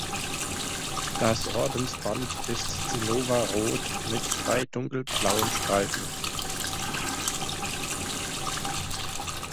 Das Ordensband ist zinnoberrot mit drei dunkelblauen Streifen.